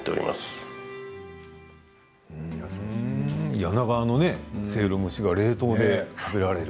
柳川のせいろ蒸しが冷凍で食べられる。